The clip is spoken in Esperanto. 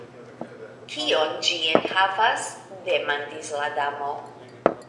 "Kion ĝi enhavas?" demandis la Damo.